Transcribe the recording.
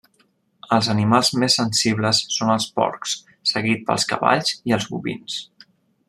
Els animals més sensibles són els porcs, seguits pels cavalls i els bovins.